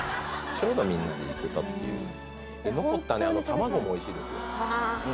ちょうどみんなで行くとっていう残ったね卵も美味しいですよ